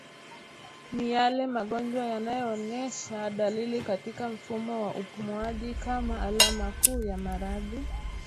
Ni yale magonjwa yanayoonesha dalili katika mfumo wa upumuaji kama alama kuu ya maradhi